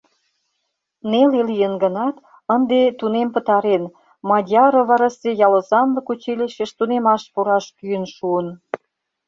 Неле лийын гынат, ынде тунем пытарен, Мадьяроварысе ялозанлык училищыш тунемаш пураш кӱын шуын.